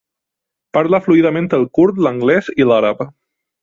Parla fluidament el kurd, l'anglès i l'àrab.